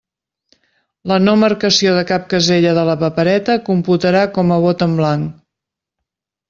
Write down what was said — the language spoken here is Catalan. La no marcació de cap casella de la papereta computarà com a vot en blanc.